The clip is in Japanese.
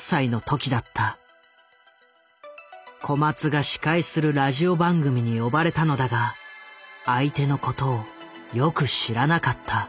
小松が司会するラジオ番組に呼ばれたのだが相手のことをよく知らなかった。